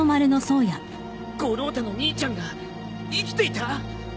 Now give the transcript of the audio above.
五郎太の兄ちゃんが生きていた！？